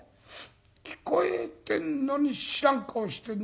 聞こえてんのに知らん顔してるんだからねえ！